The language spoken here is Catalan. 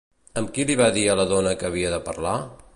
Amb qui li va dir a la dona que havia de parlar?